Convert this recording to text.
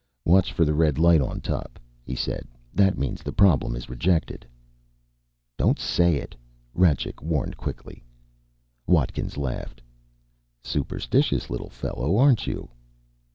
"Watch for the red light on top," he said. "That means the problem is rejected." "Don't say it," Rajcik warned quickly. Watkins laughed. "Superstitious little fellow, aren't you?"